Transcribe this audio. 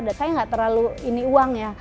dan saya gak terlalu ini uang ya